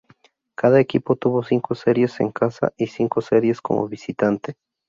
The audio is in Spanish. Cada equipo tuvo cinco series en casa y cinco series como visitante.